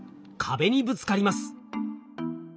壁にぶつかります。